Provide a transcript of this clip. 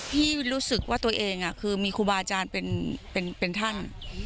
รู้สึกว่าตัวเองคือมีครูบาอาจารย์เป็นท่าน